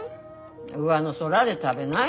うわの空で食べないで。